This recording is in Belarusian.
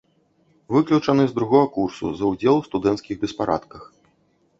Выключаны з другога курсу за ўдзел у студэнцкіх беспарадках.